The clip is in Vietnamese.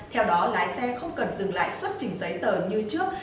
theo đó lái xe không cần dừng lại xuất trình giấy tờ như trước